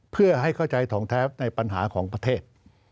เพื่อให้เข้าใจถองแท้ในปัญหาของประเทศ